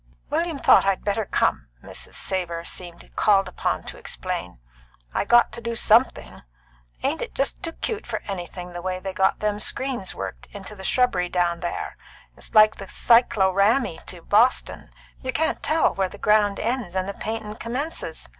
"William thought I better come," Mrs. Savor seemed called upon to explain. "I got to do something. Ain't it just too cute for anything the way they got them screens worked into the shrubbery down they ar? It's like the cycloraymy to Boston; you can't tell where the ground ends and the paintin' commences.